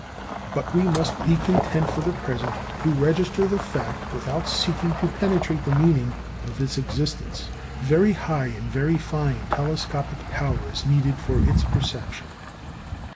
But we must be content for the present to register the fact without seeking to penetrate the meaning of its existence. Very high and very fine telescopic power is needed for its perception.